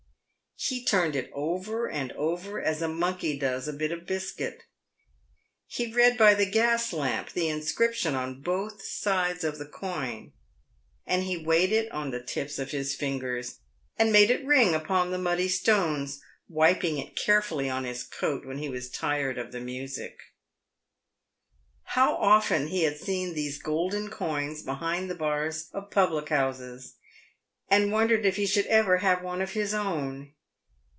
He turned it over and over as a monkey does a bit of biscuit ; he read by the gas lamp the inscription on both sides of the coin, and he weighed it on the tips of his fingers, and made it ring upon the muddy stones, wiping it carefully on his coat when he was tired of the music. How often he had seen these golden coins behind the bars of public houses, and wondered if he should ever have one of his own.